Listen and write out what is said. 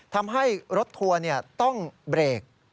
ทำให้รถทัวร์ต้องเบรก